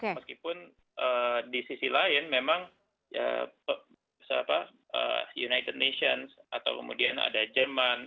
meskipun di sisi lain memang united nations atau kemudian ada jerman